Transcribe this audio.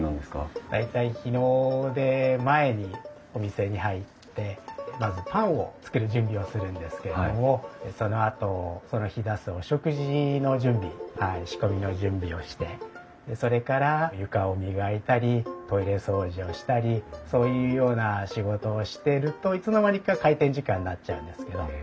大体日の出前にお店に入ってまずパンを作る準備をするんですけれどもそのあとその日出すお食事の準備仕込みの準備をしてそれから床を磨いたりトイレ掃除をしたりそういうような仕事をしているといつの間にか開店時間になっちゃうんですけど。